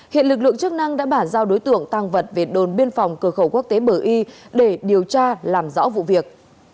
hiện lực lượng chức năng đã bản giao đối tượng tăng vật về đồn biên phòng cửa khẩu quốc tế bờ y để điều tra làm rõ vụ việc